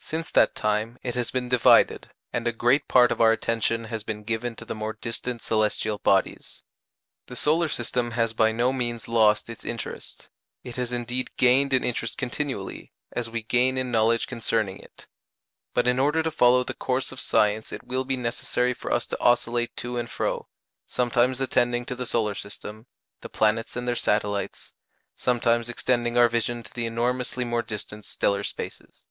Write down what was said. Since that time it has been divided, and a great part of our attention has been given to the more distant celestial bodies. The solar system has by no means lost its interest it has indeed gained in interest continually, as we gain in knowledge concerning it; but in order to follow the course of science it will be necessary for us to oscillate to and fro, sometimes attending to the solar system the planets and their satellites sometimes extending our vision to the enormously more distant stellar spaces.